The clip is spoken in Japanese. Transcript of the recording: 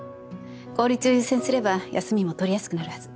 効率を優先すれば休みも取りやすくなるはず。